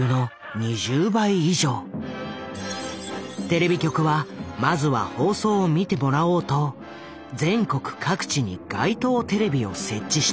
テレビ局はまずは放送を見てもらおうと全国各地に街頭テレビを設置した。